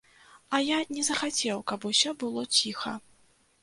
А я не захацеў, каб усё было ціха.